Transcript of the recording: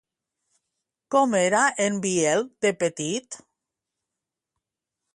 Com era en Biel de petit?